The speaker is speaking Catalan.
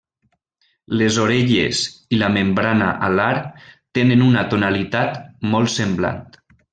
Les orelles i la membrana alar tenen una tonalitat molt semblant.